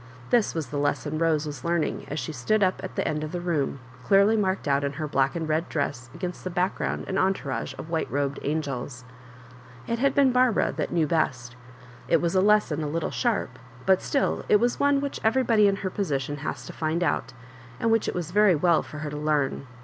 This waa the lesson Rose was learning as she stood up at the end of the room, clearly marked out in her black and red dress against the background and entourage of white robed angels. It had been Barbara that knew best. It was a lesson a little sharp, but still it was one which every body in her position has to find out, and which it was very well for her to learn.